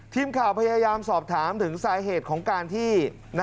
ทีมข่าวพยายามสอบถามถึงสาเหตุของการที่